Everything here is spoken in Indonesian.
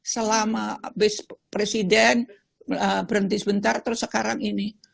selama abis presiden berhenti sebentar terus sekarang ini